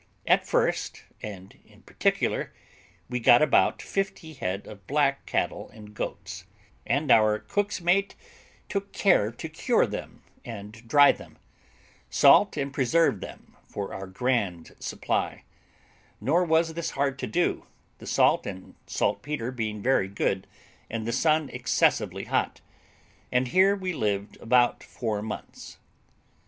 At first, and in particular, we got about fifty head of black cattle and goats, and our cook's mate took care to cure them and dry them, salt and preserve them for our grand supply; nor was this hard to do, the salt and saltpetre being very good, and the sun excessively hot; and here we lived about four months.